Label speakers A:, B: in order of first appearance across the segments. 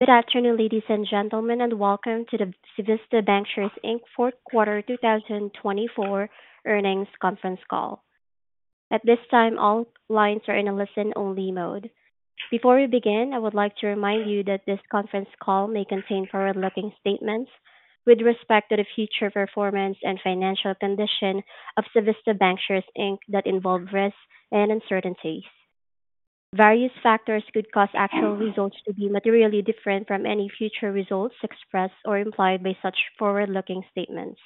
A: Good afternoon, ladies and gentlemen, and welcome to the Civista Bancshares Inc. Fourth Quarter 2024 Earnings Conference Call. At this time, all lines are in a listen-only mode. Before we begin, I would like to remind you that this conference call may contain forward-looking statements with respect to the future performance and financial condition of Civista Bancshares Inc. that involve risks and uncertainties. Various factors could cause actual results to be materially different from any future results expressed or implied by such forward-looking statements.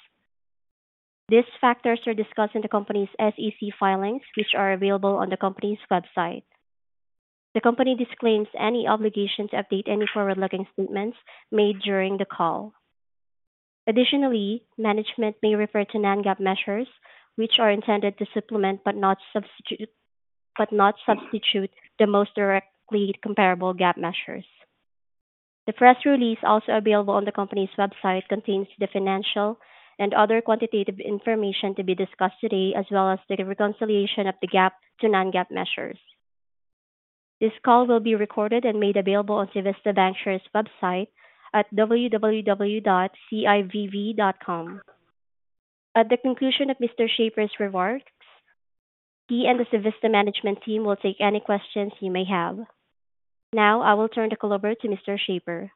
A: These factors are discussed in the company's SEC filings, which are available on the company's website. The company disclaims any obligation to update any forward-looking statements made during the call. Additionally, management may refer to non-GAAP measures, which are intended to supplement but not substitute the most directly comparable GAAP measures. The press release, also available on the company's website, contains the financial and other quantitative information to be discussed today, as well as the reconciliation of the GAAP to non-GAAP measures. This call will be recorded and made available on Civista Bancshares' website at www.civista.com. At the conclusion of Mr. Shaffer's remarks, he and the Civista management team will take any questions you may have. Now, I will turn the call over to Mr. Shaffer.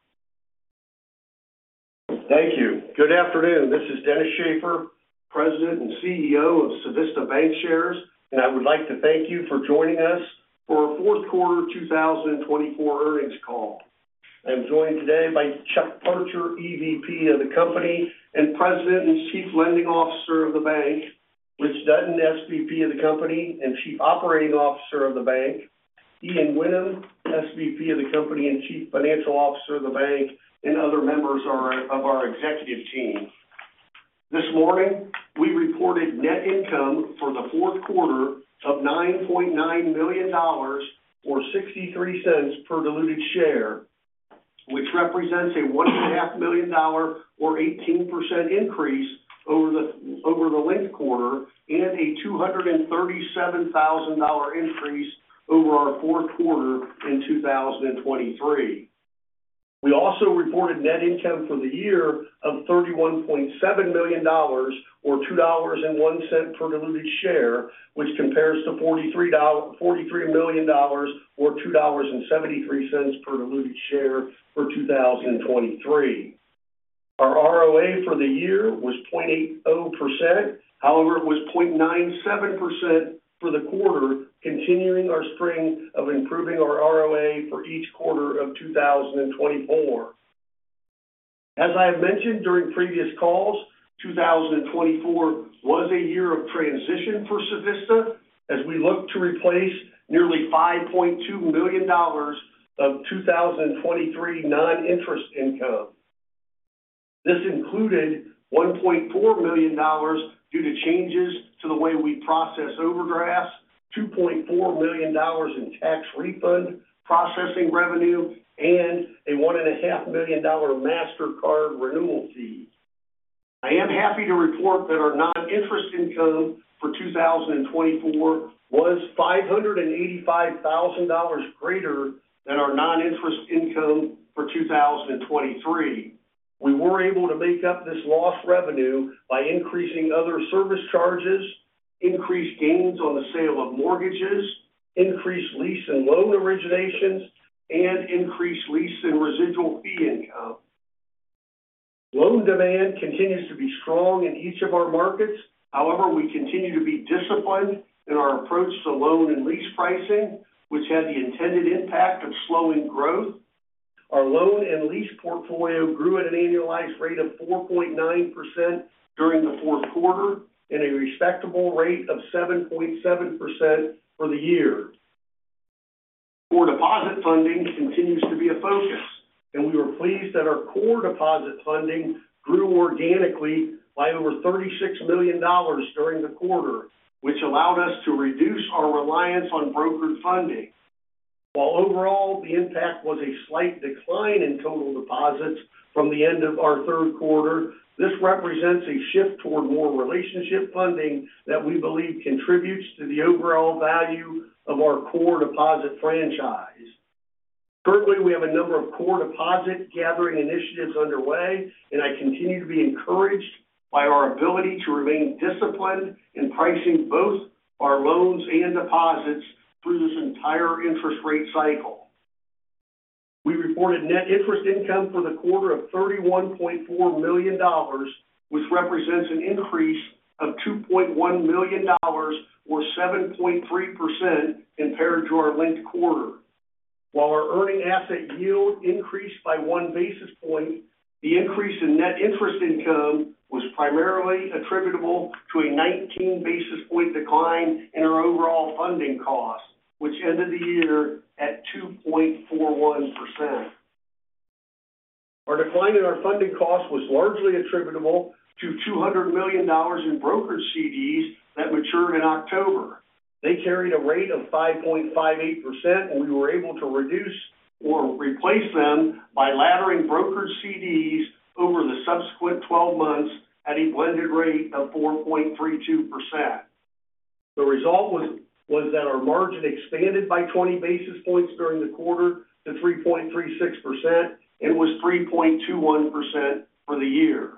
B: Thank you. Good afternoon. This is Dennis Shaffer, President and CEO of Civista Bancshares, and I would like to thank you for joining us for our Fourth Quarter 2024 Earnings Call. I am joined today by Chuck Parcher, EVP of the company, and President and Chief Lending Officer of the bank, Rich Dutton, SVP of the company and Chief Operating Officer of the bank, Ian Whinnem, SVP of the company and Chief Financial Officer of the bank, and other members of our executive team. This morning, we reported net income for the fourth quarter of $9.9 million or $0.63 per diluted share, which represents a $1.5 million or 18% increase over the linked quarter and a $237,000 increase over our fourth quarter in 2023. We also reported net income for the year of $31.7 million or $2.01 per diluted share, which compares to $43 million or $2.73 per diluted share for 2023. Our ROA for the year was 0.80%; however, it was 0.97% for the quarter, continuing our string of improving our ROA for each quarter of 2024. As I have mentioned during previous calls, 2024 was a year of transition for Civista, as we looked to replace nearly $5.2 million of 2023 non-interest income. This included $1.4 million due to changes to the way we process overdrafts, $2.4 million in tax refund processing revenue, and a $1.5 million Mastercard renewal fee. I am happy to report that our non-interest income for 2024 was $585,000 greater than our non-interest income for 2023. We were able to make up this lost revenue by increasing other service charges, increased gains on the sale of mortgages, increased lease and loan originations, and increased lease and residual fee income. Loan demand continues to be strong in each of our markets. However, we continue to be disciplined in our approach to loan and lease pricing, which had the intended impact of slowing growth. Our loan and lease portfolio grew at an annualized rate of 4.9% during the fourth quarter and a respectable rate of 7.7% for the year. Core deposit funding continues to be a focus, and we were pleased that our core deposit funding grew organically by over $36 million during the quarter, which allowed us to reduce our reliance on brokered funding. While overall, the impact was a slight decline in total deposits from the end of our third quarter, this represents a shift toward more relationship funding that we believe contributes to the overall value of our core deposit franchise. Currently, we have a number of core deposit gathering initiatives underway, and I continue to be encouraged by our ability to remain disciplined in pricing both our loans and deposits through this entire interest rate cycle. We reported net interest income for the quarter of $31.4 million, which represents an increase of $2.1 million or 7.3% compared to our last quarter. While our earning asset yield increased by one basis point, the increase in net interest income was primarily attributable to a 19 basis points decline in our overall funding cost, which ended the year at 2.41%. Our decline in our funding cost was largely attributable to $200 million in brokered CDs that matured in October. They carried a rate of 5.58%, and we were able to reduce or replace them by laddering brokered CDs over the subsequent 12 months at a blended rate of 4.32%. The result was that our margin expanded by 20 basis points during the quarter to 3.36% and was 3.21% for the year.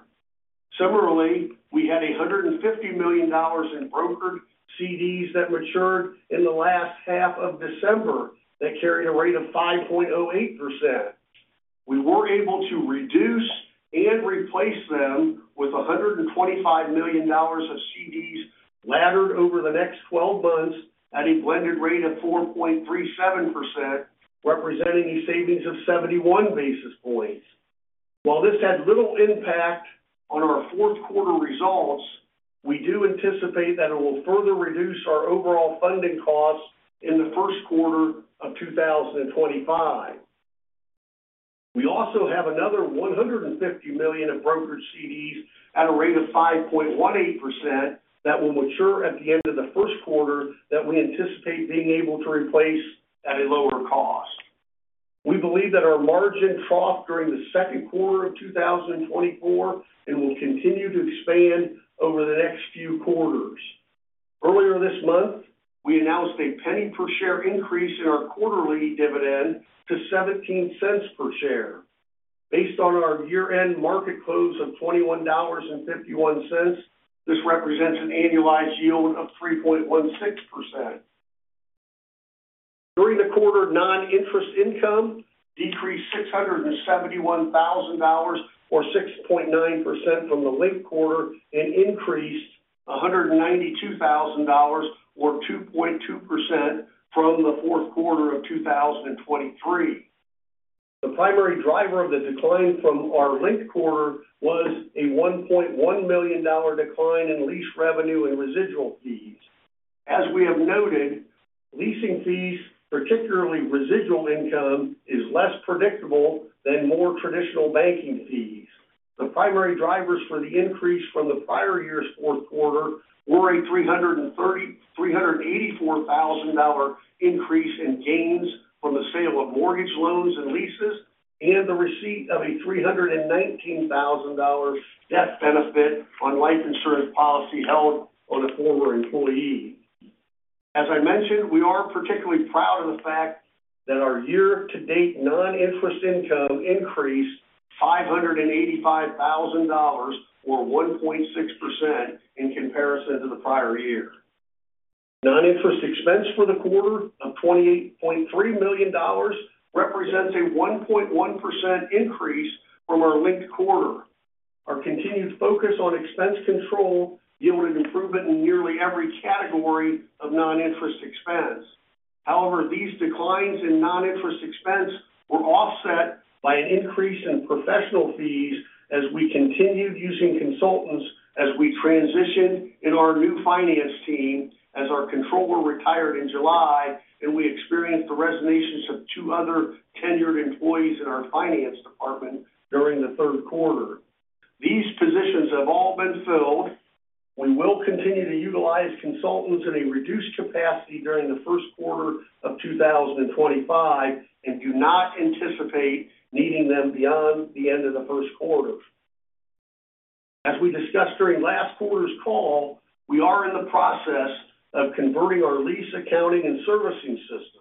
B: Similarly, we had $150 million in brokered CDs that matured in the last half of December that carried a rate of 5.08%. We were able to reduce and replace them with $125 million of CDs laddered over the next 12 months at a blended rate of 4.37%, representing a savings of 71 basis points. While this had little impact on our fourth quarter results, we do anticipate that it will further reduce our overall funding costs in the first quarter of 2025. We also have another $150 million of brokered CDs at a rate of 5.18% that will mature at the end of the first quarter that we anticipate being able to replace at a lower cost. We believe that our margin troughed during the second quarter of 2024 and will continue to expand over the next few quarters. Earlier this month, we announced a penny per share increase in our quarterly dividend to $0.17 per share. Based on our year-end market close of $21.51, this represents an annualized yield of 3.16%. During the quarter, non-interest income decreased $671,000 or 6.9% from the linked quarter and increased $192,000 or 2.2% from the fourth quarter of 2023. The primary driver of the decline from our last quarter was a $1.1 million decline in lease revenue and residual fees. As we have noted, leasing fees, particularly residual income, is less predictable than more traditional banking fees. The primary drivers for the increase from the prior year's fourth quarter were a $384,000 increase in gains from the sale of mortgage loans and leases and the receipt of a $319,000 death benefit on life insurance policy held on a former employee. As I mentioned, we are particularly proud of the fact that our year-to-date non-interest income increased $585,000 or 1.6% in comparison to the prior year. Non-interest expense for the quarter of $28.3 million represents a 1.1% increase from our last quarter. Our continued focus on expense control yielded improvement in nearly every category of non-interest expense. However, these declines in non-interest expense were offset by an increase in professional fees as we continued using consultants as we transitioned in our new finance team as our controller retired in July, and we experienced the resignations of two other tenured employees in our finance department during the third quarter. These positions have all been filled. We will continue to utilize consultants in a reduced capacity during the first quarter of 2025 and do not anticipate needing them beyond the end of the first quarter. As we discussed during last quarter's call, we are in the process of converting our lease accounting and servicing systems.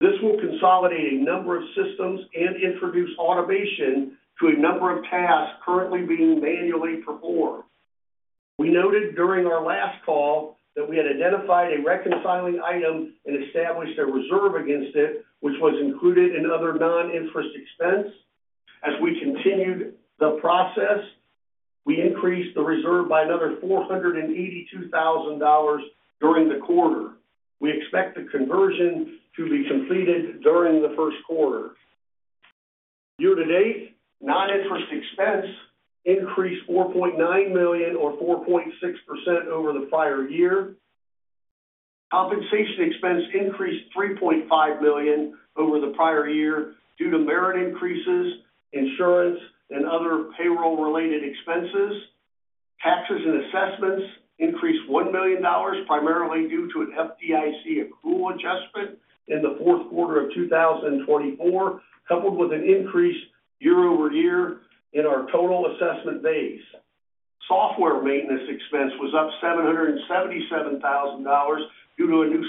B: This will consolidate a number of systems and introduce automation to a number of tasks currently being manually performed. We noted during our last call that we had identified a reconciling item and established a reserve against it, which was included in other non-interest expense. As we continued the process, we increased the reserve by another $482,000 during the quarter. We expect the conversion to be completed during the first quarter. Year-to-date, non-interest expense increased $4.9 million or 4.6% over the prior year. Compensation expense increased $3.5 million over the prior year due to merit increases, insurance, and other payroll-related expenses. Taxes and assessments increased $1 million, primarily due to an FDIC accrual adjustment in the fourth quarter of 2024, coupled with an increase year-over-year in our total assessment base. Software maintenance expense was up $777,000 due to a new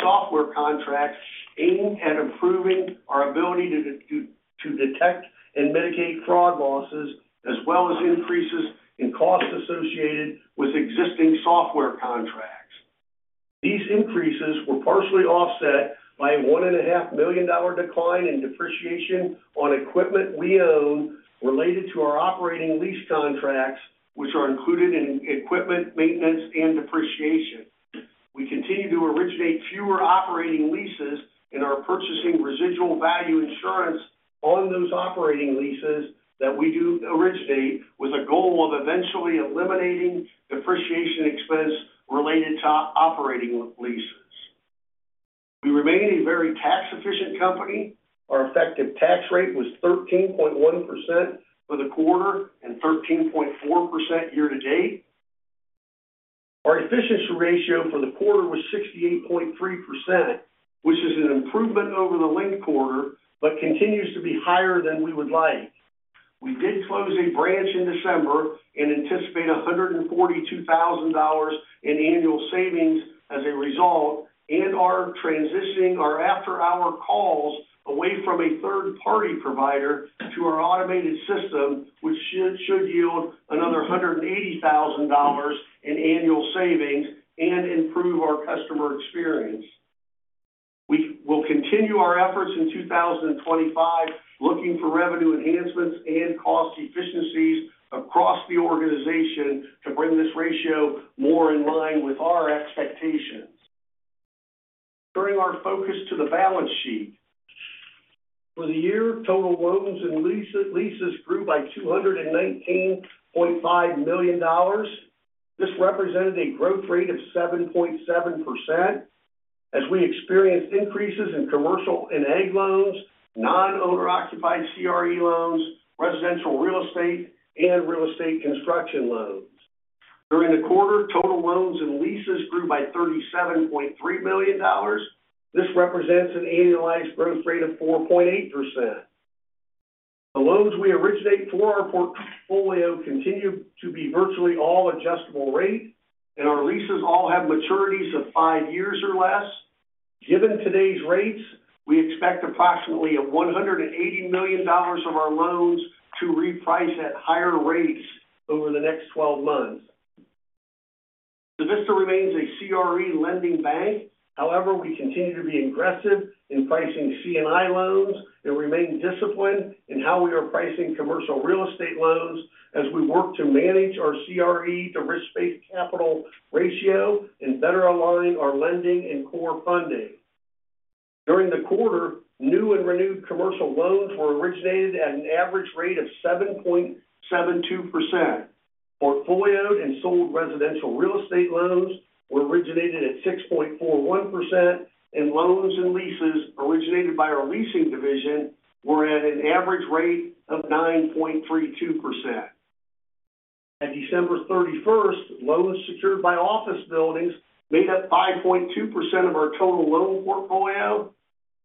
B: software contract aimed at improving our ability to detect and mitigate fraud losses, as well as increases in costs associated with existing software contracts. These increases were partially offset by a $1.5 million decline in depreciation on equipment we own related to our operating lease contracts, which are included in equipment maintenance and depreciation. We continue to originate fewer operating leases and are purchasing residual value insurance on those operating leases that we do originate, with a goal of eventually eliminating depreciation expense related to operating leases. We remain a very tax-efficient company. Our effective tax rate was 13.1% for the quarter and 13.4% year-to-date. Our efficiency ratio for the quarter was 68.3%, which is an improvement over the linked quarter but continues to be higher than we would like. We did close a branch in December and anticipate $142,000 in annual savings as a result, and are transitioning our after-hours calls away from a third-party provider to our automated system, which should yield another $180,000 in annual savings and improve our customer experience. We will continue our efforts in 2025, looking for revenue enhancements and cost efficiencies across the organization to bring this ratio more in line with our expectations. Turning our focus to the balance sheet, for the year, total loans and leases grew by $219.5 million. This represented a growth rate of 7.7% as we experienced increases in commercial and ag loans, non-owner-occupied CRE loans, residential real estate, and real estate construction loans. During the quarter, total loans and leases grew by $37.3 million. This represents an annualized growth rate of 4.8%. The loans we originate for our portfolio continue to be virtually all adjustable-rate, and our leases all have maturities of five years or less. Given today's rates, we expect approximately $180 million of our loans to reprice at higher rates over the next 12 months. Civista remains a CRE lending bank. However, we continue to be aggressive in pricing C&I loans and remain disciplined in how we are pricing commercial real estate loans as we work to manage our CRE to risk-based capital ratio and better align our lending and core funding. During the quarter, new and renewed commercial loans were originated at an average rate of 7.72%. Portfolioed and sold residential real estate loans were originated at 6.41%, and loans and leases originated by our leasing division were at an average rate of 9.32%. At December 31st, loans secured by office buildings made up 5.2% of our total loan portfolio.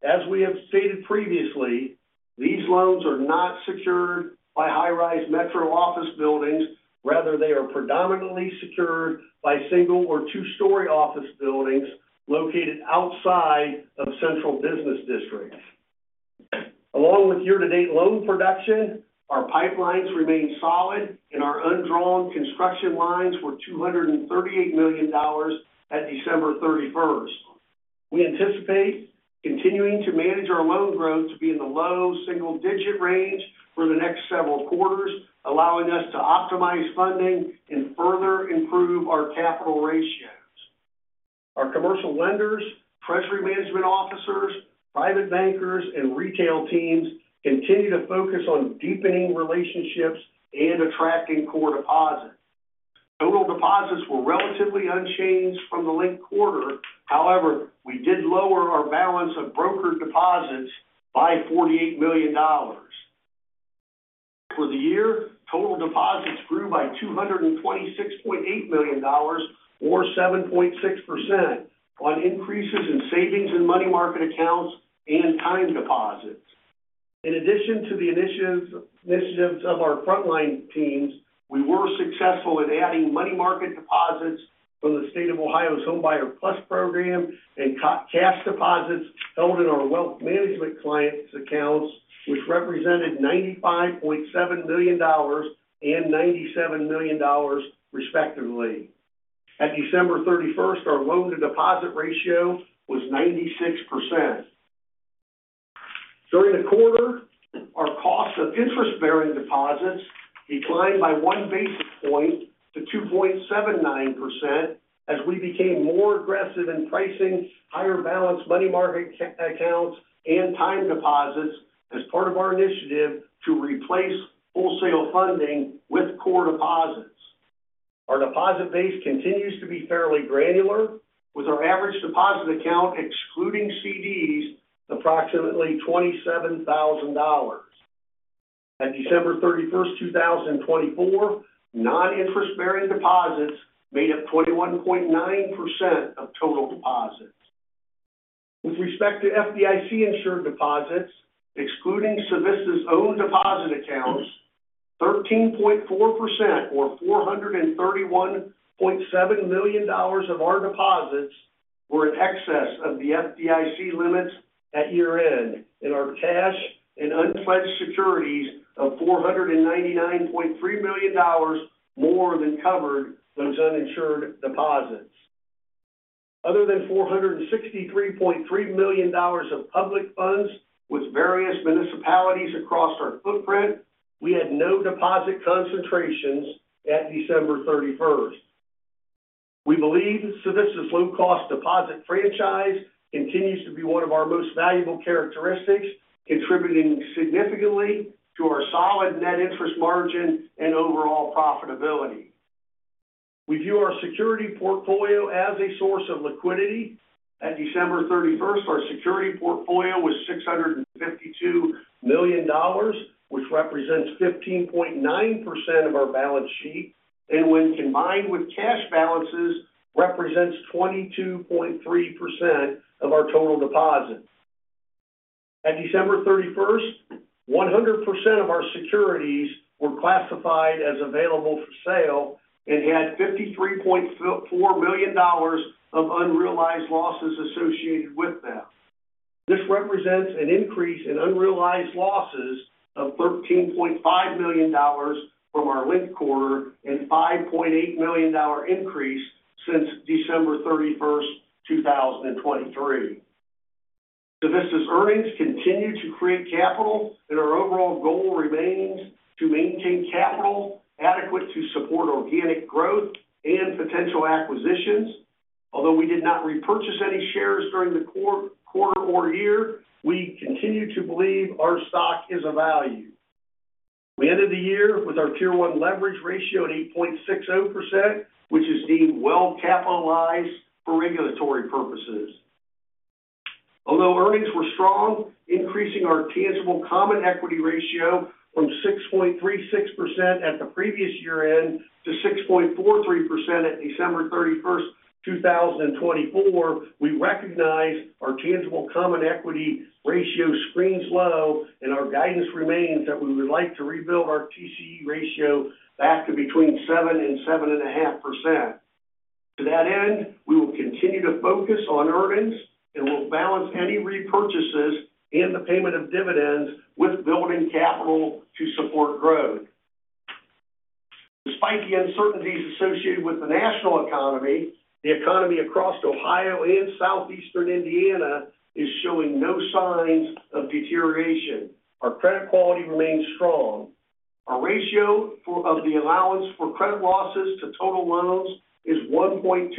B: As we have stated previously, these loans are not secured by high-rise metro office buildings. Rather, they are predominantly secured by single or two-story office buildings located outside of central business districts. Along with year-to-date loan production, our pipelines remained solid, and our undrawn construction lines were $238 million at December 31st. We anticipate continuing to manage our loan growth to be in the low single-digit range for the next several quarters, allowing us to optimize funding and further improve our capital ratios. Our commercial lenders, treasury management officers, private bankers, and retail teams continue to focus on deepening relationships and attracting core deposits. Total deposits were relatively unchanged from the last quarter. However, we did lower our balance of brokered deposits by $48 million. For the year, total deposits grew by $226.8 million or 7.6% on increases in savings and money market accounts and time deposits. In addition to the initiatives of our frontline teams, we were successful in adding money market deposits from the State of Ohio's Ohio Homebuyer Plus program and cash deposits held in our Wealth Management clients' accounts, which represented $95.7 million and $97 million, respectively. At December 31st, our loan-to-deposit ratio was 96%. During the quarter, our cost of interest-bearing deposits declined by one basis point to 2.79% as we became more aggressive in pricing higher balance money market accounts and time deposits as part of our initiative to replace wholesale funding with core deposits. Our deposit base continues to be fairly granular, with our average deposit account excluding CDs approximately $27,000. At December 31st, 2024, non-interest-bearing deposits made up 21.9% of total deposits. With respect to FDIC-insured deposits, excluding Civista's own deposit accounts, 13.4% or $431.7 million of our deposits were in excess of the FDIC limits at year-end, and our cash and unpledged securities of $499.3 million more than covered those uninsured deposits. Other than $463.3 million of public funds with various municipalities across our footprint, we had no deposit concentrations at December 31st. We believe Civista's low-cost deposit franchise continues to be one of our most valuable characteristics, contributing significantly to our solid net interest margin and overall profitability. We view our security portfolio as a source of liquidity. At December 31st, our security portfolio was $652 million, which represents 15.9% of our balance sheet, and when combined with cash balances, represents 22.3% of our total deposits. At December 31st, 100% of our securities were classified as available for sale and had $53.4 million of unrealized losses associated with them. This represents an increase in unrealized losses of $13.5 million from our last quarter and $5.8 million increase since December 31st, 2023. Civista's earnings continue to create capital, and our overall goal remains to maintain capital adequate to support organic growth and potential acquisitions. Although we did not repurchase any shares during the quarter or year, we continue to believe our stock is of value. We ended the year with our Tier 1 leverage ratio at 8.60%, which is deemed well-capitalized for regulatory purposes. Although earnings were strong, increasing our tangible common equity ratio from 6.36% at the previous year-end to 6.43% at December 31st, 2024, we recognize our tangible common equity ratio screams low, and our guidance remains that we would like to rebuild our TCE ratio back to between 7 and 7.5%. To that end, we will continue to focus on earnings, and we'll balance any repurchases and the payment of dividends with building capital to support growth. Despite the uncertainties associated with the national economy, the economy across Ohio and Southeastern Indiana is showing no signs of deterioration. Our credit quality remains strong. Our ratio of the allowance for credit losses to total loans is 1.29%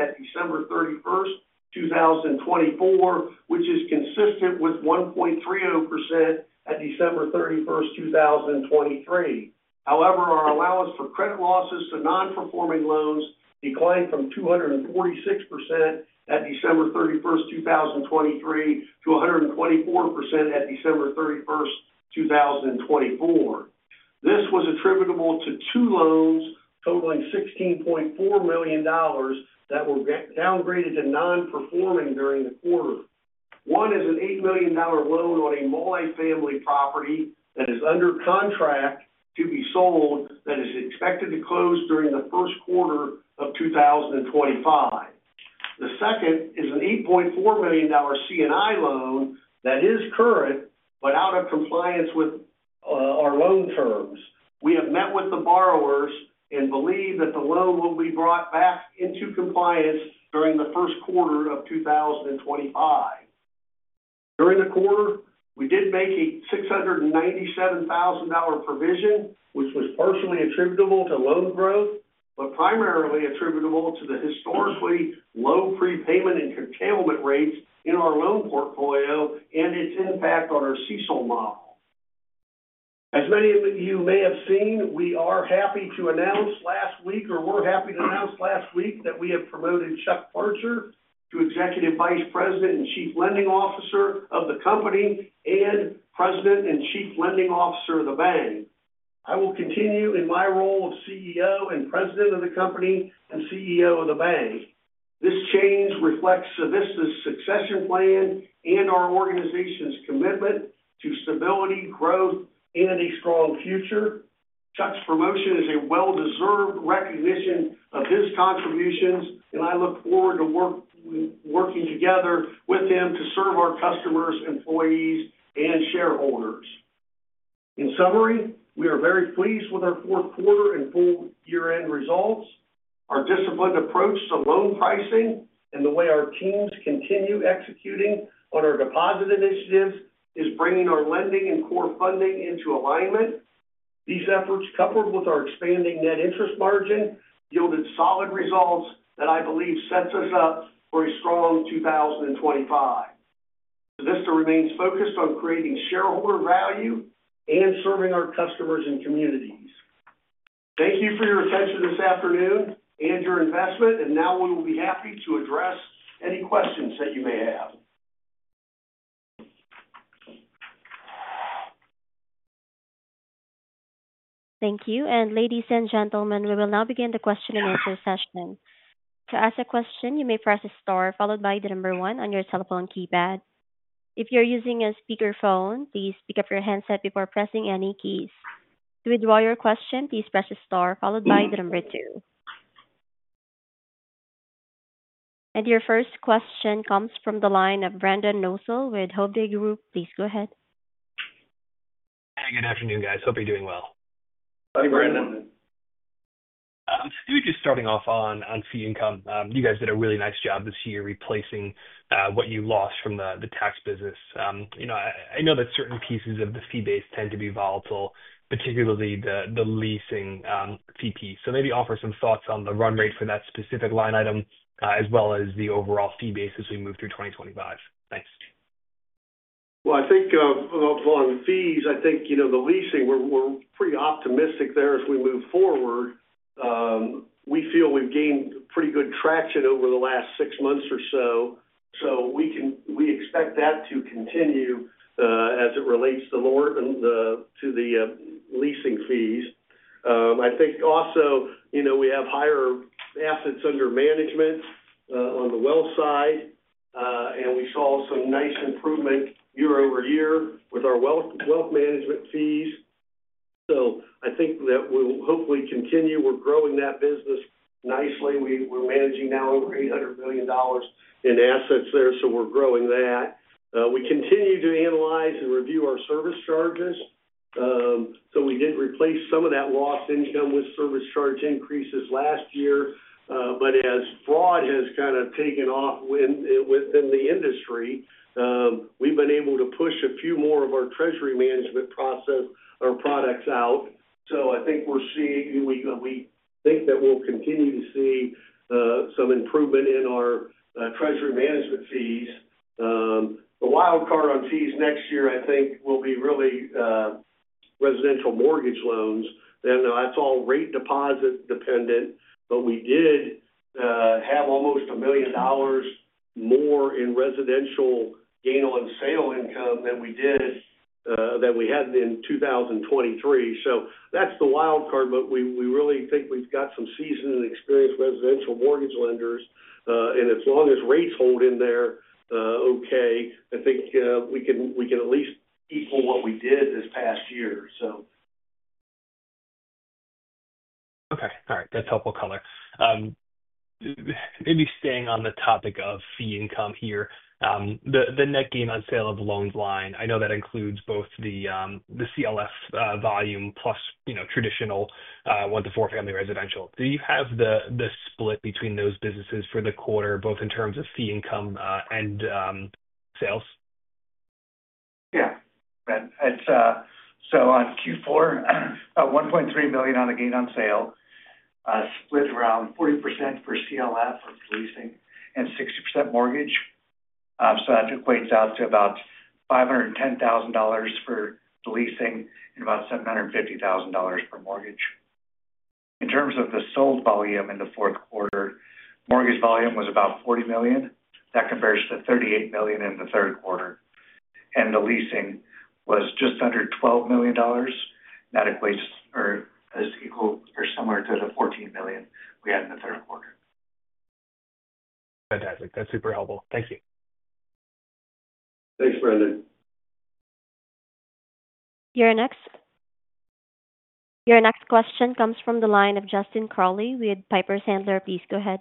B: at December 31st, 2024, which is consistent with 1.30% at December 31st, 2023. However, our allowance for credit losses to non-performing loans declined from 246% at December 31st, 2023,-124% at December 31st, 2024. This was attributable to two loans totaling $16.4 million that were downgraded to non-performing during the quarter. One is an $8 million loan on a multi-family property that is under contract to be sold that is expected to close during the first quarter of 2025. The second is an $8.4 million C&I loan that is current but out of compliance with our loan terms. We have met with the borrowers and believe that the loan will be brought back into compliance during the first quarter of 2025. During the quarter, we did make a $697,000 provision, which was partially attributable to loan growth but primarily attributable to the historically low prepayment and curtailment rates in our loan portfolio and its impact on our CECL model. As many of you may have seen, we're happy to announce last week that we have promoted Chuck Parcher to Executive Vice President and Chief Lending Officer of the company and President and Chief Lending Officer of the bank. I will continue in my role of CEO and President of the company and CEO of the bank. This change reflects Civista's succession plan and our organization's commitment to stability, growth, and a strong future. Chuck's promotion is a well-deserved recognition of his contributions, and I look forward to working together with him to serve our customers, employees, and shareholders. In summary, we are very pleased with our fourth quarter and full year-end results. Our disciplined approach to loan pricing and the way our teams continue executing on our deposit initiatives is bringing our lending and core funding into alignment. These efforts, coupled with our expanding net interest margin, yielded solid results that I believe set us up for a strong 2025. Civista remains focused on creating shareholder value and serving our customers and communities. Thank you for your attention this afternoon and your investment, and now we will be happy to address any questions that you may have.
A: Thank you. Ladies and gentlemen, we will now begin the question and answer session. To ask a question, you may press star followed by the number one on your telephone keypad. If you're using a speakerphone, please pick up your handset before pressing any keys. To withdraw your question, please press star followed by the number two. Your first question comes from the line of Brendan Nosal with Hovde Group. Please go ahead.
C: Hi, good afternoon, guys. Hope you're doing well.
D: Hi, Brandon.
C: We were just starting off on fee income. You guys did a really nice job this year replacing what you lost from the tax business. I know that certain pieces of the fee base tend to be volatile, particularly the leasing fee piece. So maybe offer some thoughts on the run rate for that specific line item as well as the overall fee base as we move through 2025. Thanks.
B: I think on fees, I think the leasing, we're pretty optimistic there as we move forward. We feel we've gained pretty good traction over the last six months or so, so we expect that to continue as it relates to the leasing fees. I think also we have higher assets under management on the wealth side, and we saw some nice improvement year-over-year with our wealth management fees, so I think that we'll hopefully continue. We're growing that business nicely. We're managing now over $800 million in assets there, so we're growing that. We continue to analyze and review our service charges, so we did replace some of that lost income with service charge increases last year, but as fraud has kind of taken off within the industry, we've been able to push a few more of our treasury management products out. I think we think that we'll continue to see some improvement in our treasury management fees. The wild card on fees next year, I think, will be really residential mortgage loans. Now, that's all rate deposit dependent, but we did have almost $1 million more in residential gain-on-sale income than we had in 2023. So that's the wild card, but we really think we've got some seasoned and experienced residential mortgage lenders, and as long as rates hold in there okay, I think we can at least equal what we did this past year, so.
C: Okay. All right. That's helpful color. Maybe staying on the topic of fee income here, the net gain-on-sale of loans line, I know that includes both the CLF volume plus traditional one to four family residential. Do you have the split between those businesses for the quarter, both in terms of fee income and sales?
E: Yeah. So on Q4, $1.3 million on the gain-on-sale split around 40% for CLF for leasing and 60% mortgage. So that equates out to about $510,000 for the leasing and about $750,000 for mortgage. In terms of the sold volume in the fourth quarter, mortgage volume was about $40 million. That compares to $38 million in the third quarter. And the leasing was just under $12 million. That equates or is equal or similar to the $14 million we had in the third quarter.
C: Fantastic. That's super helpful. Thank you.
B: Thanks, Brandon.
A: Your next question comes from the line of Justin Crowley with Piper Sandler. Please go ahead.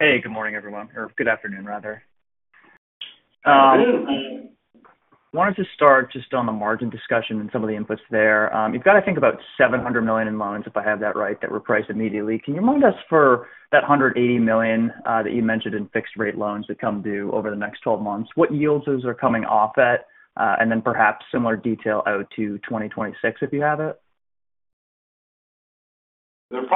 F: Hey, good morning, everyone, or good afternoon, rather. Wanted to start just on the margin discussion and some of the inputs there. You've got to think about $700 million in loans, if I have that right, that were priced immediately. Can you remind us for that $180 million that you mentioned in fixed-rate loans that come due over the next 12 months, what yields those are coming off at, and then perhaps similar detail out to 2026, if you have it?
B: Those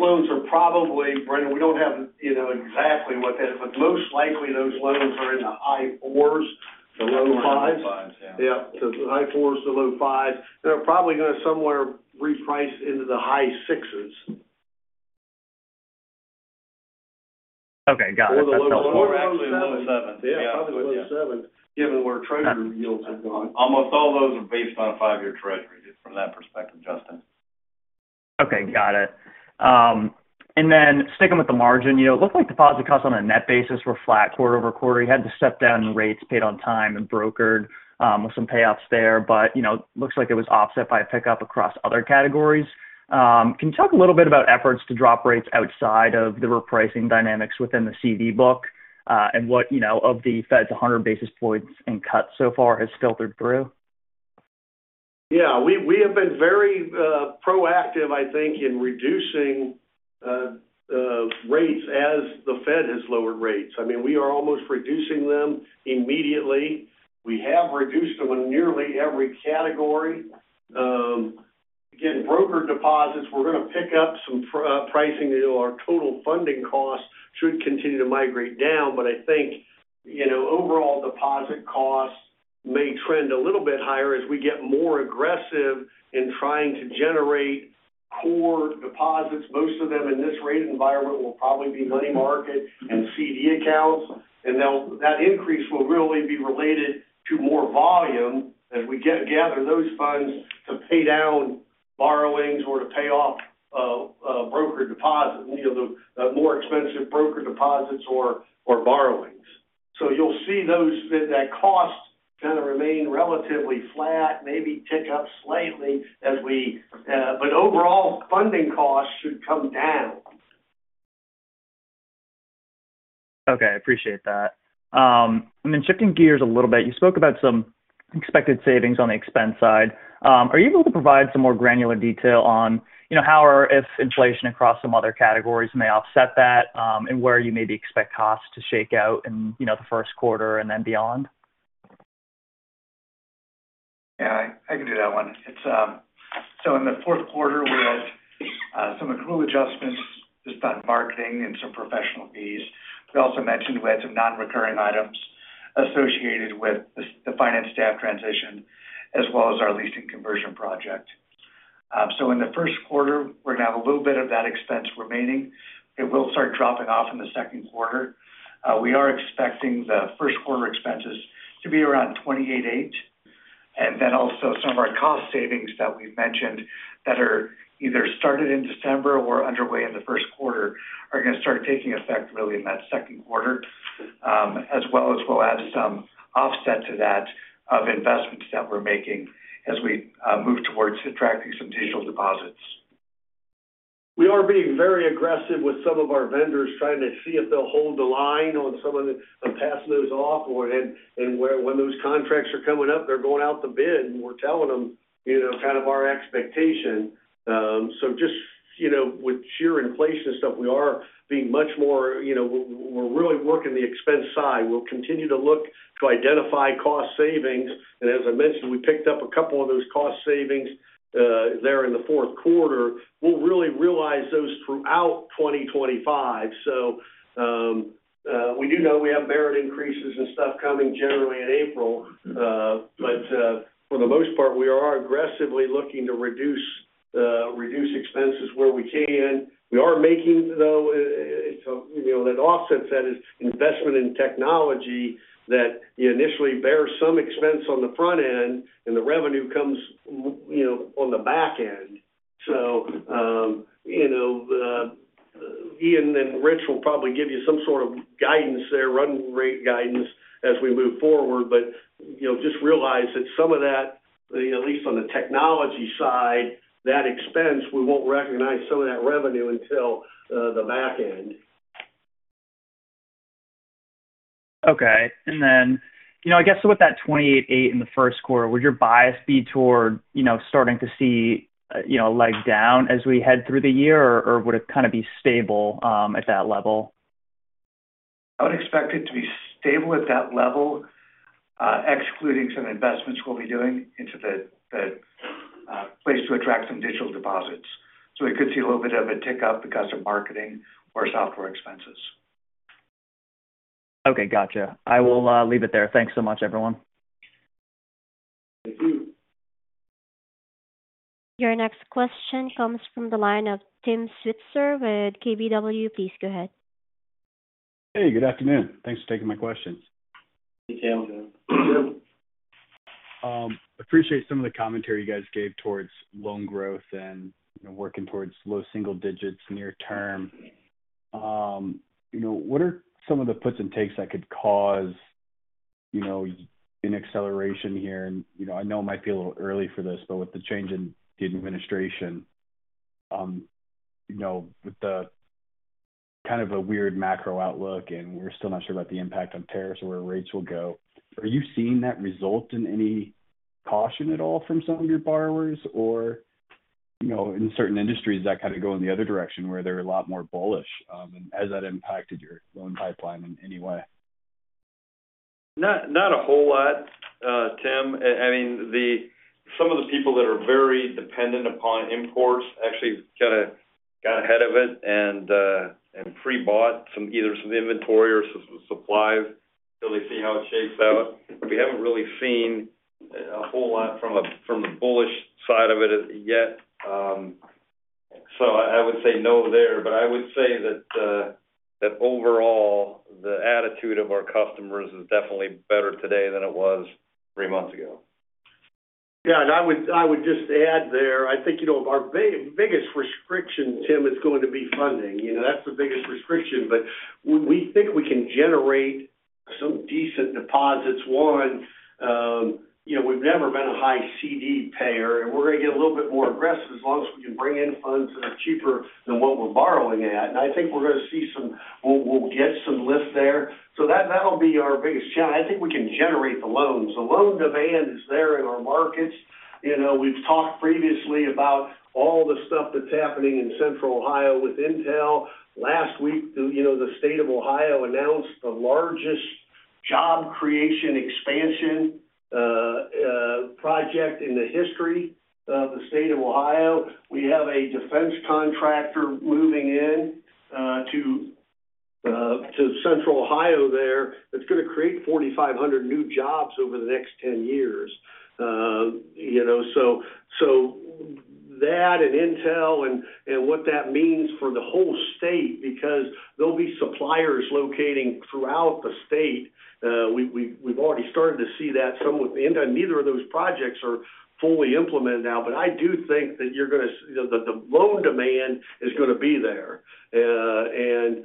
B: loans are probably, Brandon, we don't have exactly what that is, but most likely those loans are in the high fours, the low fives. Yeah. So the high fours, the low fives. They're probably going to somewhere reprice into the high sixes.
F: Okay. Got it.
E: Or the low sevens.
F: Probably low sevens. Yeah.
B: Probably low sevens, given where treasury yields have gone.
E: Almost all those are based on a five-year Treasury from that perspective, Justin.
F: Okay. Got it. And then sticking with the margin, it looked like deposit costs on a net basis were flat quarter-over-quarter. You had the step-down in rates paid on time and brokered with some payoffs there, but it looks like it was offset by a pickup across other categories. Can you talk a little bit about efforts to drop rates outside of the repricing dynamics within the CD book and what of the Fed's 100 basis points and cuts so far has filtered through?
B: Yeah. We have been very proactive, I think, in reducing rates as the Fed has lowered rates. I mean, we are almost reducing them immediately. We have reduced them in nearly every category. Again, brokered deposits, we're going to pick up some pricing. Our total funding costs should continue to migrate down, but I think overall deposit costs may trend a little bit higher as we get more aggressive in trying to generate core deposits. Most of them in this rate environment will probably be money market and CD accounts. And that increase will really be related to more volume as we gather those funds to pay down borrowings or to pay off brokered deposits, more expensive brokered deposits or borrowings. So you'll see that cost kind of remain relatively flat, maybe tick up slightly as we, but overall funding costs should come down.
F: Okay. I appreciate that. And then shifting gears a little bit, you spoke about some expected savings on the expense side. Are you able to provide some more granular detail on how or if inflation across some other categories may offset that and where you maybe expect costs to shake out in the first quarter and then beyond?
E: Yeah. I can do that one. So in the fourth quarter, we had some accrual adjustments just on marketing and some professional fees. We also mentioned we had some non-recurring items associated with the finance staff transition as well as our leasing conversion project. So in the first quarter, we're going to have a little bit of that expense remaining. It will start dropping off in the second quarter. We are expecting the first quarter expenses to be around $2,880. And then also some of our cost savings that we've mentioned that are either started in December or underway in the first quarter are going to start taking effect really in that second quarter, as well as we'll add some offset to that of investments that we're making as we move towards attracting some digital deposits.
B: We are being very aggressive with some of our vendors, trying to see if they'll hold the line on some of the passing those off, and when those contracts are coming up, they're going out to bid, and we're telling them kind of our expectation, so just with sheer inflation and stuff, we are being much more really working the expense side. We'll continue to look to identify cost savings, and as I mentioned, we picked up a couple of those cost savings there in the fourth quarter. We'll really realize those throughout 2025, so we do know we have merit increases and stuff coming generally in April, but for the most part, we are aggressively looking to reduce expenses where we can. We are making, though, that offset is investment in technology that initially bears some expense on the front end, and the revenue comes on the back end. So Ian and Rich will probably give you some sort of guidance there, run rate guidance as we move forward, but just realize that some of that, at least on the technology side, that expense, we won't recognize some of that revenue until the back end.
F: Okay. And then I guess with that 2,880 in the first quarter, would your bias be toward starting to see a leg down as we head through the year, or would it kind of be stable at that level?
E: I would expect it to be stable at that level, excluding some investments we'll be doing into the place to attract some digital deposits. So we could see a little bit of a tick up because of marketing or software expenses.
F: Okay. Got you. I will leave it there. Thanks so much, everyone.
B: Thank you.
A: Your next question comes from the line of Tim Switzer with KBW. Please go ahead.
G: Hey, good afternoon. Thanks for taking my questions.
E: Detailed.
G: Appreciate some of the commentary you guys gave towards loan growth and working towards low single digits near term. What are some of the puts and takes that could cause an acceleration here? And I know it might be a little early for this, but with the change in the administration, with the kind of a weird macro outlook, and we're still not sure about the impact on tariffs or where rates will go, are you seeing that result in any caution at all from some of your borrowers? Or in certain industries, that kind of go in the other direction where they're a lot more bullish? And has that impacted your loan pipeline in any way?
E: Not a whole lot, Tim. I mean, some of the people that are very dependent upon imports actually kind of got ahead of it and pre-bought either some inventory or some supplies till they see how it shakes out. We haven't really seen a whole lot from the bullish side of it yet. So I would say no there, but I would say that overall, the attitude of our customers is definitely better today than it was three months ago.
D: Yeah. And I would just add there, I think our biggest restriction, Tim, is going to be funding. That's the biggest restriction, but we think we can generate some decent deposits. One, we've never been a high CD payer, and we're going to get a little bit more aggressive as long as we can bring in funds that are cheaper than what we're borrowing at. I think we're going to see some. We'll get some lift there. That'll be our biggest challenge. I think we can generate the loans. The loan demand is there in our markets. We've talked previously about all the stuff that's happening in Central Ohio with Intel. Last week, the state of Ohio announced the largest job creation expansion project in the history of the state of Ohio. We have a defense contractor moving into Central Ohio there that's going to create 4,500 new jobs over the next 10 years. That and Intel and what that means for the whole state because there'll be suppliers locating throughout the state. We've already started to see that some with Intel. Neither of those projects are fully implemented now, but I do think that the loan demand is going to be there. And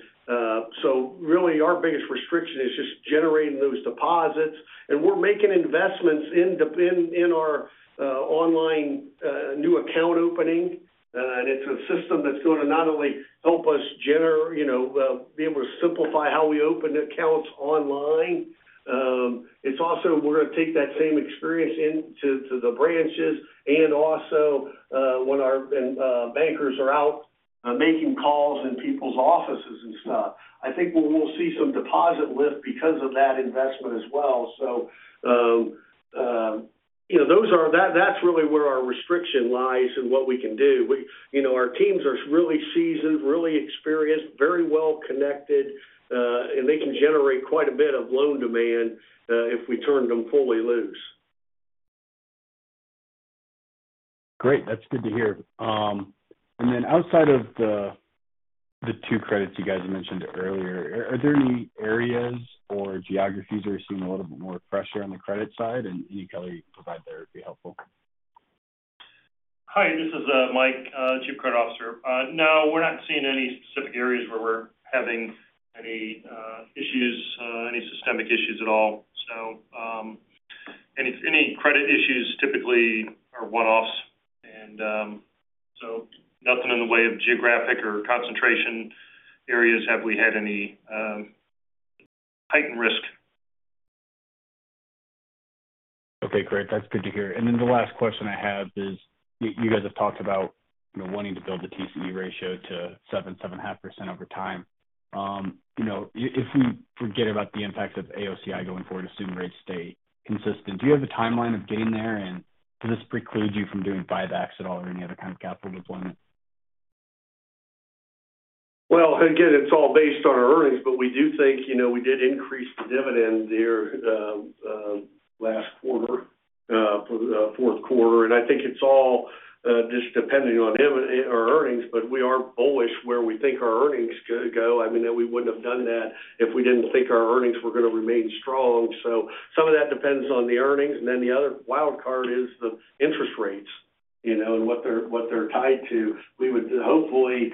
D: so really, our biggest restriction is just generating those deposits. We're making investments in our online new account opening, and it's a system that's going to not only help us be able to simplify how we open accounts online. It's also we're going to take that same experience into the branches and also when our bankers are out making calls in people's offices and stuff. I think we'll see some deposit lift because of that investment as well. So that's really where our restriction lies and what we can do. Our teams are really seasoned, really experienced, very well connected, and they can generate quite a bit of loan demand if we turn them fully loose.
F: Great. That's good to hear. And then outside of the two credits you guys mentioned earlier, are there any areas or geographies where you're seeing a little bit more pressure on the credit side? And any, color you, provide there would be helpful.
H: Hi. This is Mike, Chief Credit Officer. No, we're not seeing any specific areas where we're having any issues, any systemic issues at all. So any credit issues typically are one-offs. And so nothing in the way of geographic or concentration areas have we had any heightened risk.
G: Okay. Great. That's good to hear. And then the last question I have is you guys have talked about wanting to build the TCE ratio to 7%-7.5% over time. If we forget about the impact of AOCI going forward, assuming rates stay consistent, do you have a timeline of getting there? And does this preclude you from doing buybacks at all or any other kind of capital deployment?
B: Well, again, it's all based on our earnings, but we do think we did increase the dividend here last quarter, fourth quarter. And I think it's all just depending on our earnings, but we are bullish where we think our earnings could go. I mean, we wouldn't have done that if we didn't think our earnings were going to remain strong. So some of that depends on the earnings. And then the other wildcard is the interest rates and what they're tied to. We would hopefully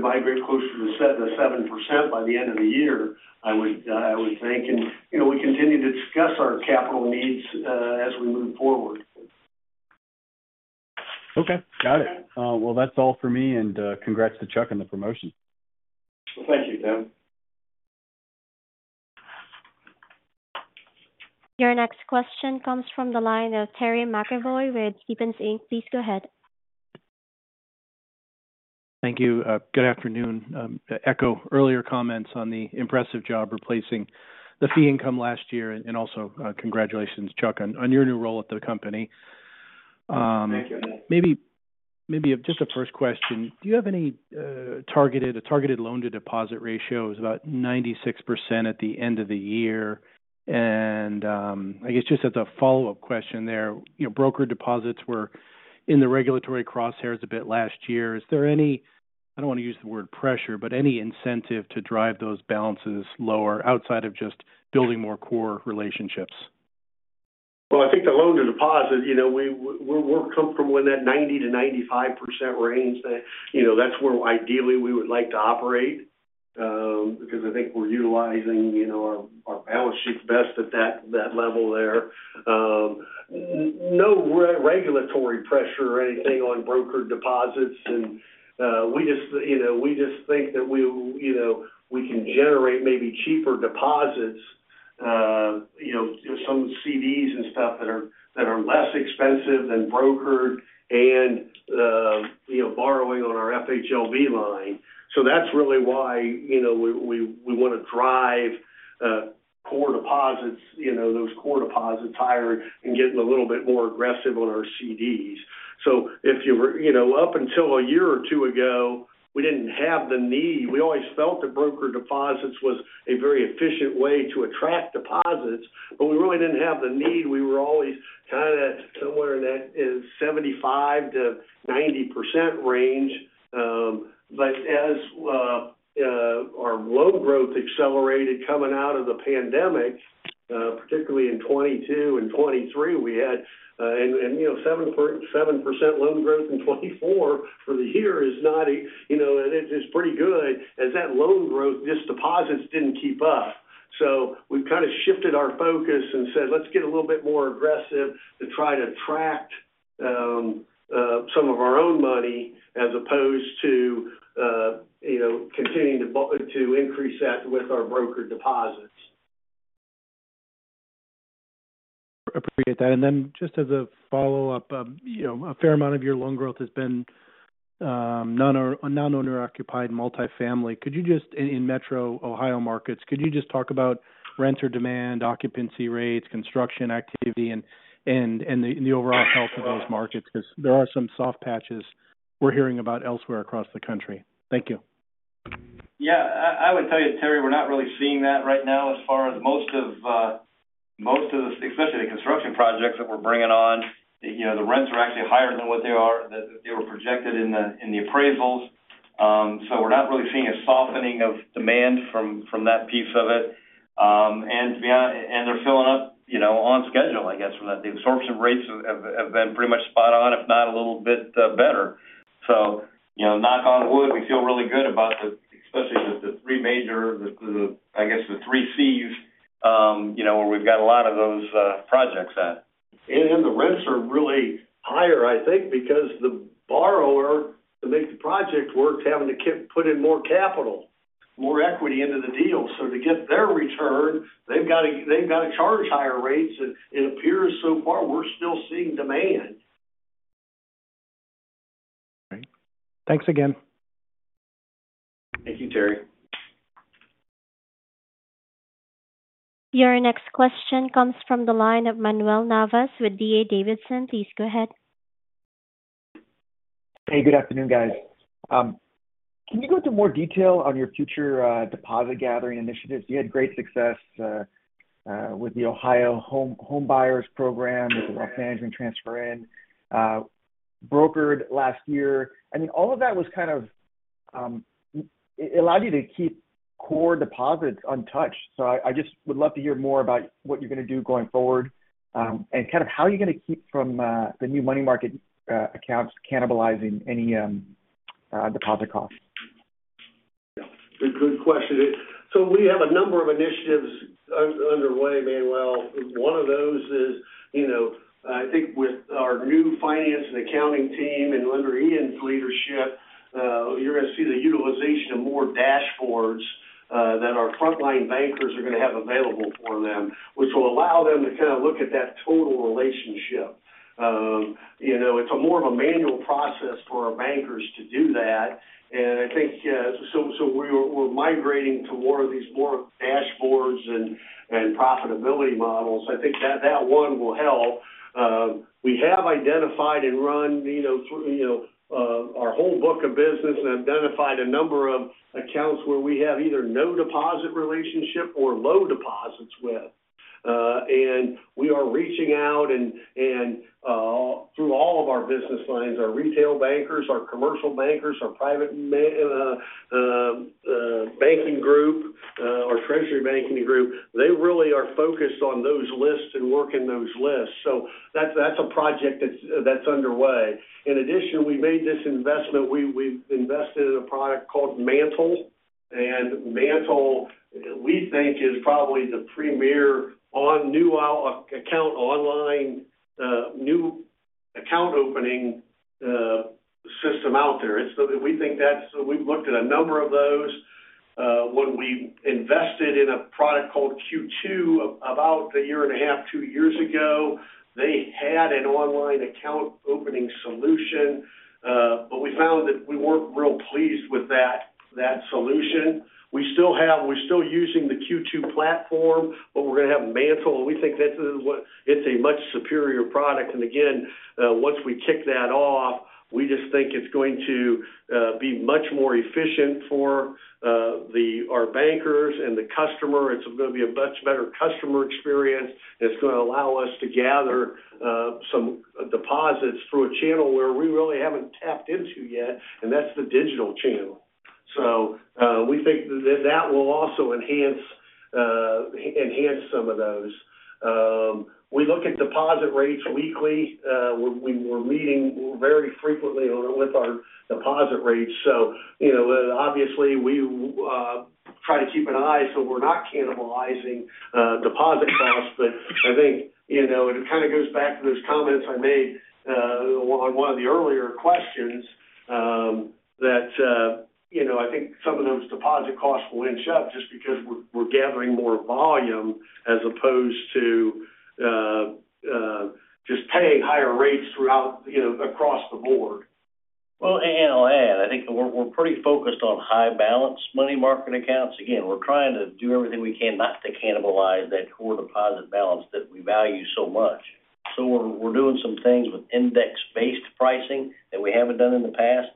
B: migrate closer to 7% by the end of the year, I would think. And we continue to discuss our capital needs as we move forward.
G: Okay. Got it. Well, that's all for me. And congrats to Chuck on the promotion.
B: Thank you, Tim.
A: Your next question comes from the line of Terry McEvoy with Stephens Inc. Please go ahead.
I: Thank you. Good afternoon. Echoing earlier comments on the impressive job replacing the fee income last year. And also congratulations, Chuck, on your new role at the company.
B: Thank you.
I: Maybe just a first question. Do you have a targeted loan-to-deposit ratio? It was about 96% at the end of the year, and I guess just as a follow-up question there, brokered deposits were in the regulatory crosshairs a bit last year. Is there any, I don't want to use the word pressure, but any incentive to drive those balances lower outside of just building more core relationships?
B: I think the loan-to-deposit, we're comfortable in that 90%-95% range. That's where ideally we would like to operate because I think we're utilizing our balance sheet best at that level there. No regulatory pressure or anything on brokered deposits. We just think that we can generate maybe cheaper deposits, some CDs, and stuff that are less expensive than brokered and borrowing on our FHLB line. That's really why we want to drive core deposits, those core deposits higher, and get a little bit more aggressive on our CDs. Up until a year or two ago, we didn't have the need. We always felt that brokered deposits was a very efficient way to attract deposits, but we really didn't have the need. We were always kind of somewhere in that 75%-90% range. But as our loan growth accelerated coming out of the pandemic, particularly in 2022 and 2023, we had 7% loan growth in 2024 for the year. It's pretty good. As that loan growth, just deposits didn't keep up. So we've kind of shifted our focus and said, "Let's get a little bit more aggressive to try to attract some of our own money as opposed to continuing to increase that with our brokered deposits.
I: Appreciate that. And then just as a follow-up, a fair amount of your loan growth has been non-owner-occupied multifamily. In Metro Ohio markets, could you just talk about renter demand, occupancy rates, construction activity, and the overall health of those markets? Because there are some soft patches we're hearing about elsewhere across the country. Thank you.
E: Yeah. I would tell you, Terry, we're not really seeing that right now as far as most of the, especially the construction projects that we're bringing on. The rents are actually higher than what they were projected in the appraisals. So we're not really seeing a softening of demand from that piece of it, and they're filling up on schedule, I guess, from that. The absorption rates have been pretty much spot on, if not a little bit better, so knock on wood, we feel really good about especially the three major, I guess, the three C's where we've got a lot of those projects at. And the rents are really higher, I think, because the borrower to make the project work is having to put in more capital, more equity into the deal. So to get their return, they've got to charge higher rates. And it appears so far we're still seeing demand.
I: Great. Thanks again.
E: Thank you, Terry.
A: Your next question comes from the line of Manuel Navas with D.A. Davidson. Please go ahead.
J: Hey, good afternoon, guys. Can you go into more detail on your future deposit gathering initiatives? You had great success with the Ohio Homebuyer Plus, with the Wealth Management transfer in brokered last year. I mean, all of that was kind of, it allowed you to keep core deposits untouched. So I just would love to hear more about what you're going to do going forward, and kind of how you're going to keep from the new money market accounts cannibalizing any deposit costs.
B: Yeah. Good question. So we have a number of initiatives underway, Manuel. One of those is I think with our new finance and accounting team and under Ian's leadership, you're going to see the utilization of more dashboards that our frontline bankers are going to have available for them, which will allow them to kind of look at that total relationship. It's more of a manual process for our bankers to do that. And I think so we're migrating to more of these dashboards and profitability models. I think that one will help. We have identified and run our whole book of business and identified a number of accounts where we have either no deposit relationship or low deposits with. And we are reaching out through all of our business lines: our retail bankers, our commercial bankers, our private banking group, our treasury banking group. They really are focused on those lists and working those lists, so that's a project that's underway. In addition, we made this investment. We've invested in a product called MANTL, and MANTL, we think, is probably the premier new account opening system out there. We think that's—we've looked at a number of those. When we invested in a product called Q2 about a year and a half, two years ago, they had an online account opening solution, but we found that we weren't real pleased with that solution. We're still using the Q2 platform, but we're going to have MANTL, and we think it's a much superior product, and again, once we kick that off, we just think it's going to be much more efficient for our bankers and the customer. It's going to be a much better customer experience. And it's going to allow us to gather some deposits through a channel where we really haven't tapped into yet. And that's the digital channel. So we think that that will also enhance some of those. We look at deposit rates weekly. We're meeting very frequently with our deposit rates. So obviously, we try to keep an eye so we're not cannibalizing deposit costs. But I think it kind of goes back to those comments I made on one of the earlier questions that I think some of those deposit costs will inch up just because we're gathering more volume as opposed to just paying higher rates across the board.
E: Well, and I'll add, I think we're pretty focused on high-balance money market accounts. Again, we're trying to do everything we can not to cannibalize that core deposit balance that we value so much, so we're doing some things with index-based pricing that we haven't done in the past,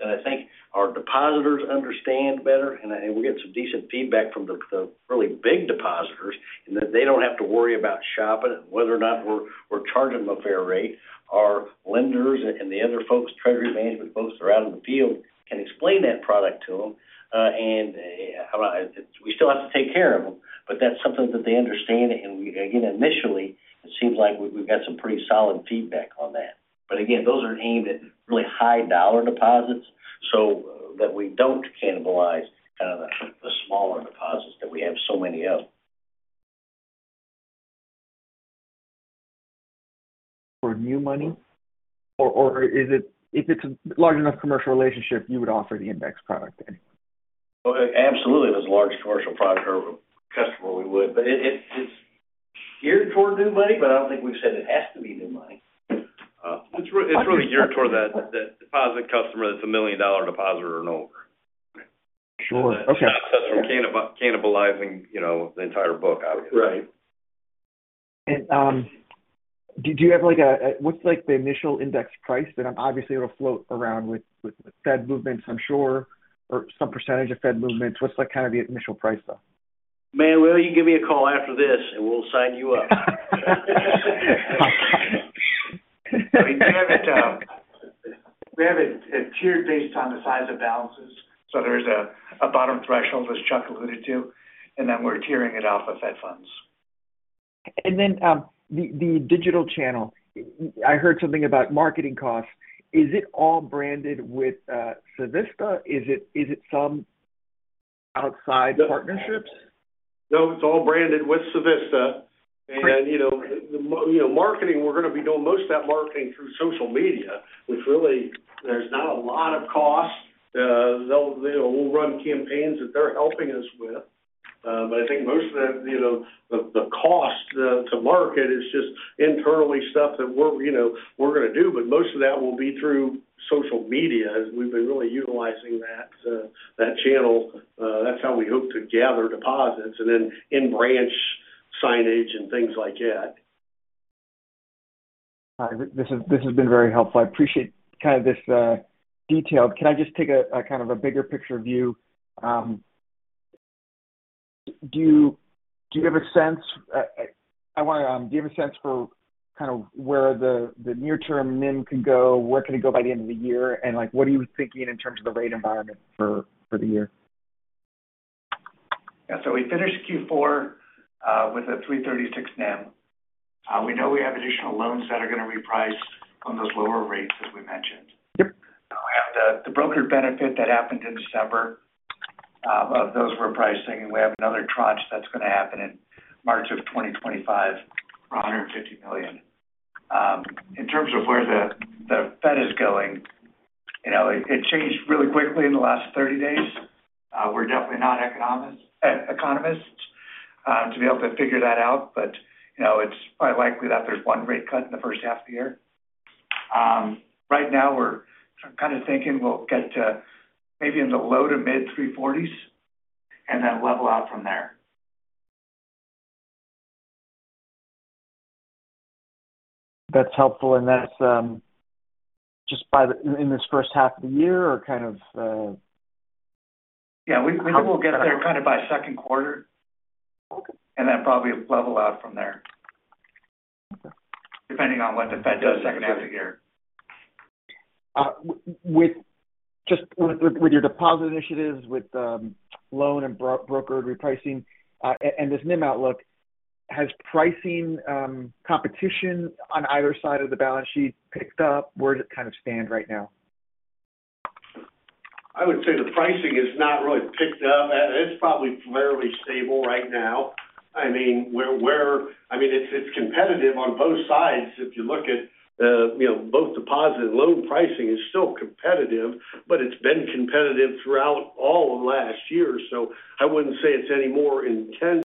E: and I think our depositors understand better, and we get some decent feedback from the really big depositors in that they don't have to worry about shopping and whether or not we're charging them a fair rate. Our lenders and the other folks, treasury management folks that are out in the field can explain that product to them, and we still have to take care of them, but that's something that they understand, and again, initially, it seems like we've got some pretty solid feedback on that. But again, those are aimed at really high-dollar deposits so that we don't cannibalize kind of the smaller deposits that we have so many of.
J: For new money? Or if it's a large enough commercial relationship, you would offer the index product?
E: Absolutely. If it's a large commercial product or customer, we would. But it's geared toward new money, but I don't think we've said it has to be new money.
H: It's really geared toward that deposit customer that's a $1 million deposit or over.
J: Sure. Okay.
H: It's not a customer cannibalizing the entire book, obviously.
J: Right. And do you have a—what's the initial index price? And I'm obviously going to float around with Fed movements, I'm sure, or some percentage of Fed movements. What's kind of the initial price, though?
E: Manuel, you give me a call after this, and we'll sign you up.
B: We have it tiered based on the size of balances. So there's a bottom threshold, as Chuck alluded to. And then we're tiering it off of Fed funds.
J: And then the digital channel. I heard something about marketing costs. Is it all branded with Civista? Is it some outside partnerships?
B: No, it's all branded with Civista. And then marketing, we're going to be doing most of that marketing through social media, which really there's not a lot of cost. We'll run campaigns that they're helping us with. But I think most of the cost to market is just internally stuff that we're going to do. But most of that will be through social media. We've been really utilizing that channel. That's how we hope to gather deposits and then in-branch signage and things like that.
F: This has been very helpful. I appreciate kind of this detail. Can I just take a kind of a bigger picture view? Do you have a sense for kind of where the near-term NIM could go? Where could it go by the end of the year? And what are you thinking in terms of the rate environment for the year?
E: Yeah. So we finished Q4 with a 336 NIM. We know we have additional loans that are going to reprice on those lower rates that we mentioned.
J: Yeah.
E: We have the brokered benefit that happened in December of those repricing. We have another tranche that's going to happen in March 2025 for $150 million. In terms of where the Fed is going, it changed really quickly in the last 30 days. We're definitely not economists to be able to figure that out. It's quite likely that there's one rate cut in the first half of the year. Right now, we're kind of thinking we'll get to maybe in the low to mid-340s and then level out from there.
J: That's helpful, and that's just in this first half of the year or kind of?
E: Yeah. We think we'll get there kind of by second quarter, and then probably level out from there depending on what the Fed does second half of the year.
J: Just with your deposit initiatives, with loan and brokered repricing, and this NIM outlook, has pricing competition on either side of the balance sheet picked up? Where does it kind of stand right now?
B: I would say the pricing is not really picked up. It's probably fairly stable right now. I mean, it's competitive on both sides. If you look at both deposit and loan pricing, it's still competitive. But it's been competitive throughout all of last year. So I wouldn't say it's any more intense.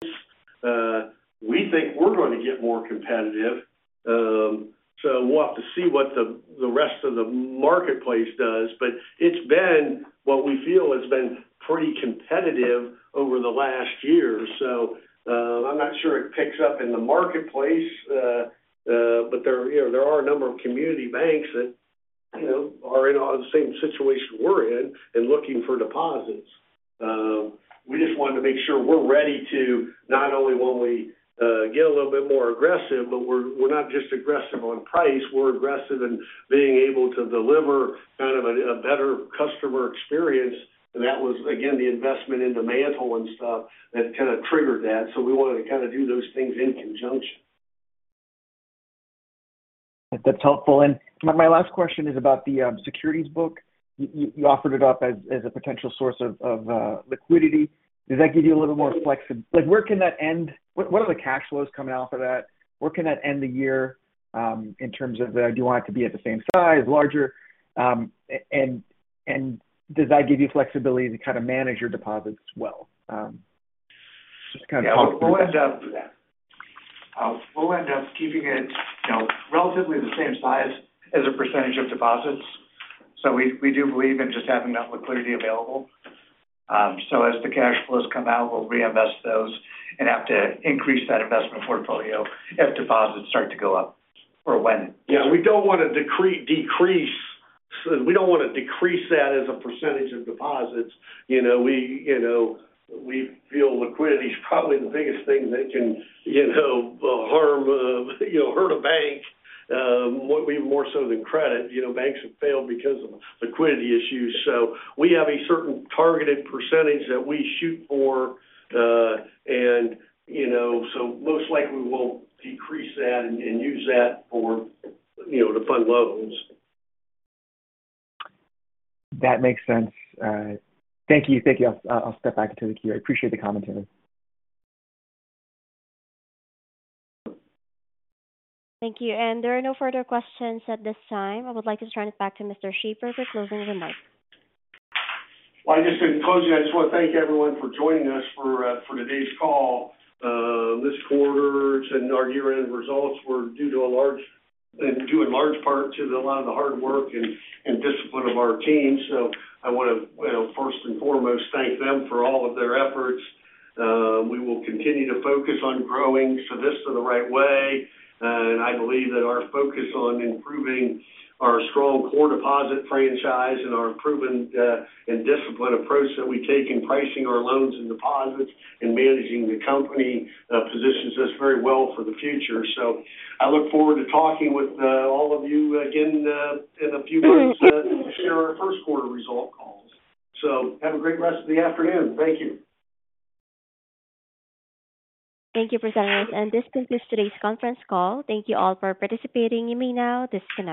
B: We think we're going to get more competitive. So we'll have to see what the rest of the marketplace does. But it's been, what we feel, has been pretty competitive over the last year. So I'm not sure it picks up in the marketplace. But there are a number of community banks that are in the same situation we're in and looking for deposits. We just wanted to make sure we're ready to not only when we get a little bit more aggressive, but we're not just aggressive on price. We're aggressive in being able to deliver kind of a better customer experience. And that was, again, the investment into MANTL and stuff that kind of triggered that. So we wanted to kind of do those things in conjunction.
J: That's helpful, and my last question is about the securities book. You offered it up as a potential source of liquidity. Does that give you a little more flexibility? Where can that end? What are the cash flows coming out for that? Where can that end the year in terms of do you want it to be at the same size, larger, and does that give you flexibility to kind of manage your deposits well? Just kind of talk through that.
B: Yeah. We'll end up keeping it relatively the same size as a percentage of deposits, so we do believe in just having that liquidity available, so as the cash flows come out, we'll reinvest those and have to increase that investment portfolio if deposits start to go up or when.
E: Yeah. We don't want to decrease that as a percentage of deposits. We feel liquidity is probably the biggest thing that can hurt a bank more so than credit. Banks have failed because of liquidity issues, so we have a certain targeted percentage that we shoot for, and so most likely, we'll decrease that and use that to fund loans.
J: That makes sense. Thank you. I'll step back into the queue. I appreciate the commentary.
A: Thank you, and there are no further questions at this time. I would like to turn it back to Mr. Shaffer for closing remarks.
B: I just said in closing, I just want to thank everyone for joining us for today's call. This quarter and our year-end results were due in large part to a lot of the hard work and discipline of our team. I want to, first and foremost, thank them for all of their efforts. We will continue to focus on growing Civista the right way. I believe that our focus on improving our strong core deposit franchise and our improvement and discipline approach that we take in pricing our loans and deposits, and managing the company positions us very well for the future. I look forward to talking with all of you again in a few months to share our first quarter results call. Have a great rest of the afternoon. Thank you.
A: Thank you, presenters. This concludes today's conference call. Thank you all for participating. You may now disconnect.